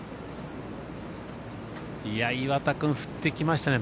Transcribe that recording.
岩田君、振ってきましたね